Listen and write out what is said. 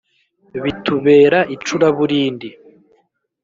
bitubera icuraburindi